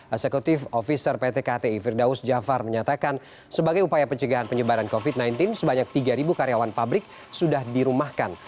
eksekutif officer pt kti firdaus jafar menyatakan sebagai upaya pencegahan penyebaran covid sembilan belas sebanyak tiga karyawan pabrik sudah dirumahkan